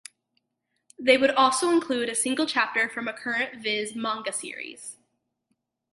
They would also include a single chapter from a current Viz manga series.